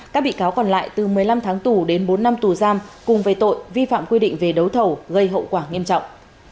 các bị cáo còn lại từ một mươi năm tháng tù đến bốn năm tù giam cùng về tội vi phạm quy định về đấu thầu gây hậu quả nghiêm trọng